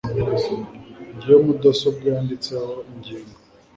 Ngiyo mudasobwa yanditseho ingingo